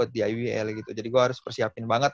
di ibl gitu jadi gue harus persiapin banget